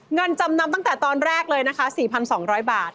เงินจำนำตั้งแต่ตอนแรกเลยนะคะ๔๒๐๐บาท